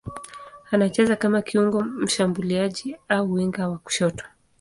Anacheza kama kiungo mshambuliaji au winga wa kushoto.